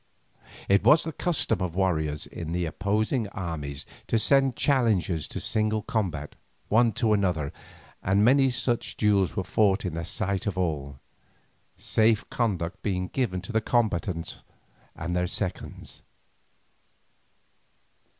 It was the custom of warriors in the opposing armies to send challenges to single combat, one to another, and many such duels were fought in the sight of all, safe conduct being given to the combatants and their seconds.